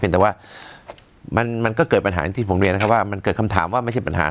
แต่ว่ามันก็เกิดปัญหาอย่างที่ผมเรียนนะครับว่ามันเกิดคำถามว่าไม่ใช่ปัญหา